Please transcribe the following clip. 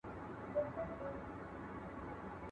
زه خپل قلم نه ورک کوم.